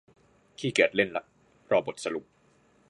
ขี้เกียจเล่นละ รอบทสรุป